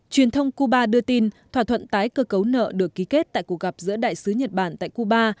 truyền thông cuba đưa tin thỏa thuận tái cơ cấu nợ được ký kết tại cuộc gặp giữa đại sứ nhật bản tại cuba